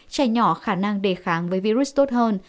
trẻ nhỏ khả năng đề kháng với virus tốt hơn